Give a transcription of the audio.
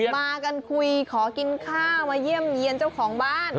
มากันคุยขอกินข้าวมาเยี่ยมเยี่ยนเจ้าของบ้าน